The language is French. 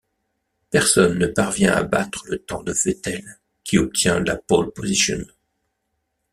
Personne ne parvient à battre le temps de Vettel qui obtient la pole position.